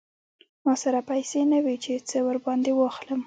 ما سره پیسې نه وې چې څه ور باندې واخلم.